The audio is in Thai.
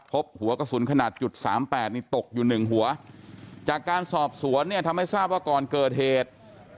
พบหัวกระสุนขนาดจุดสามแปดนี่ตกอยู่หนึ่งหัวจากการสอบสวนเนี่ยทำให้ทราบว่าก่อนเกิดเหตุ